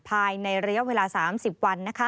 ภายในระยะเวลา๓๐วัน